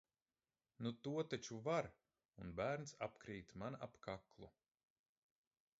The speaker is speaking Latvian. Nu to taču var! un bērns apkrīt man ap kaklu...